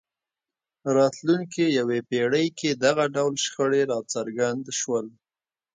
راتلونکې یوې پېړۍ کې دغه ډول شخړې راڅرګند شول.